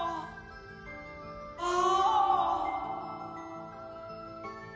ああ！